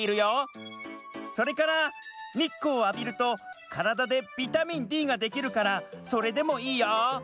それからにっこうをあびるとカラダでビタミンＤができるからそれでもいいよ。